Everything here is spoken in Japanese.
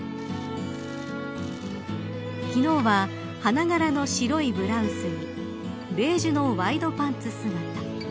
昨日は、花柄の白いブラウスにベージュのワイドパンツ姿。